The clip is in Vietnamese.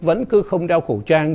vẫn cứ không đeo khẩu trang